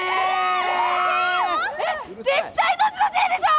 絶対ノジのせいでしょ！